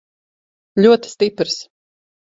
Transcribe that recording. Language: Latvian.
Ļoti stiprs.